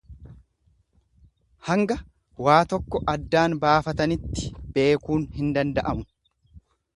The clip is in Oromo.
Hanga waa tokko addaan baafatanitti beekuun hin danda'amu.